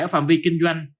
ở phạm vi kinh doanh